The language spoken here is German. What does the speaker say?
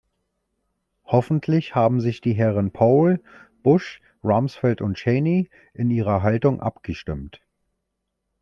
Hoffentlich haben sich die Herren Powell, Bush, Rumsfeld und Cheney in ihrer Haltung abgestimmt.